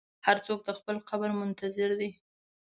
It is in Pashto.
هر څوک د خپل قبر منتظر دی.